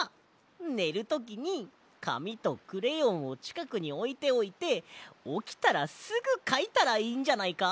ねるときにかみとクレヨンをちかくにおいておいておきたらすぐかいたらいいんじゃないか？